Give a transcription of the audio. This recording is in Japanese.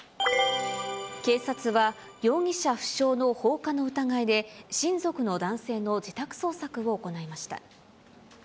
警察は容疑者不詳の放火の疑いで、親族の男性の自宅捜索を行いました。